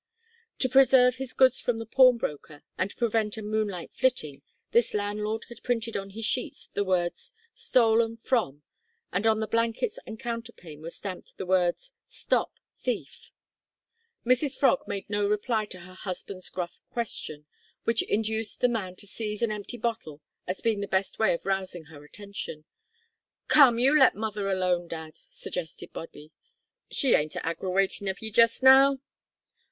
To preserve his goods from the pawnbroker, and prevent a moonlight flitting, this landlord had printed on his sheets the words "stolen from " and on the blankets and counterpane were stamped the words "stop thief!" Mrs Frog made no reply to her husband's gruff question, which induced the man to seize an empty bottle, as being the best way of rousing her attention. "Come, you let mother alone, dad," suggested Bobby, "she ain't a aggrawatin' of you just now."